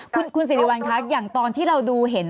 คุณสิริวัลคะอย่างตอนที่เราดูเห็น